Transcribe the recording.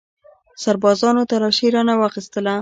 سربازانو تلاشي رانه واخیستله.